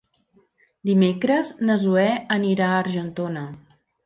Dimecres na Zoè anirà a Argentona.